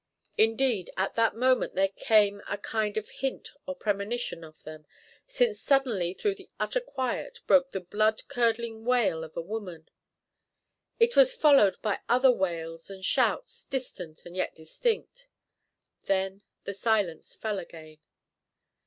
Indeed, at that moment there came a kind of hint or premonition of them, since suddenly through the utter quiet broke the blood curdling wail of a woman. It was followed by other wails and shouts, distant and yet distinct. Then the silence fell again.